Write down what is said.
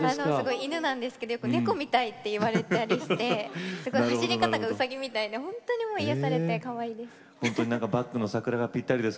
犬なんですけれどもよく猫みたいと言われて走り方が、うさぎみたいで癒やされて、かわいいです。